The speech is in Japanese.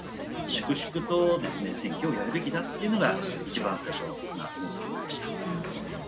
粛々とですね選挙をやるべきだというのが一番最初思ったことでした。